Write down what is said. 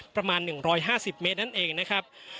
ประมาณ๑๕๐เมตรนั่นเองนะครับ